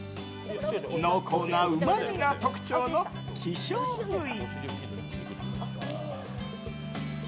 濃厚なうまみが特徴の希少部位。